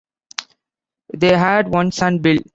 They had one son, Bill.